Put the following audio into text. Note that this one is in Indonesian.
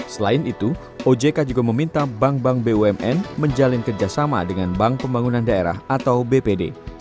selain itu ojk juga meminta bank bank bumn menjalin kerjasama dengan bank pembangunan daerah atau bpd